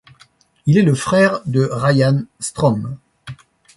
Il est le frère de Ryan Strome.